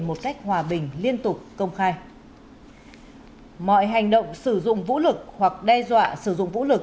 một cách hòa bình liên tục công khai mọi hành động sử dụng vũ lực hoặc đe dọa sử dụng vũ lực